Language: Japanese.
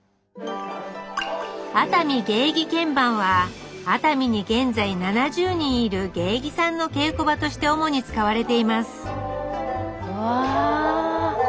「熱海芸妓見番」は熱海に現在７０人いる芸妓さんの稽古場として主に使われていますわあ。